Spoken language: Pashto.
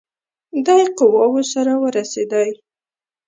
دی قواوو سره ورسېدی.